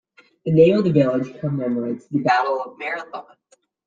The name of the village commemorates the Battle of Marathon.